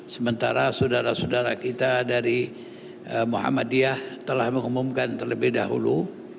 sementara saudara saudara kita dari muhammadiyah telah mengumumkan terlebih dahulu